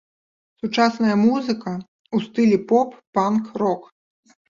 Сучасная музыка ў стылі поп-панк-рок.